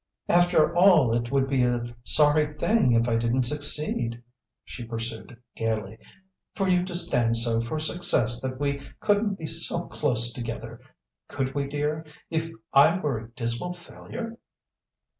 "After all, it would be a sorry thing if I didn't succeed," she pursued, gayly, "for you stand so for success that we couldn't be so close together could we, dear if I were a dismal failure?"